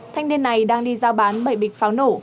thanh niên này đang đi giao bán bảy bịch pháo nổ